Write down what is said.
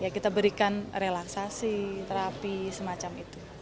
kita berikan relaksasi terapi semacam itu